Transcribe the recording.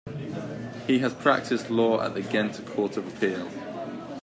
He has practised law at the Ghent Court of Appeal.